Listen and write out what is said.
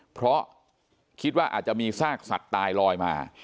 เพราะคิดว่าอาจจะมีซากสัตว์ตายลอยมา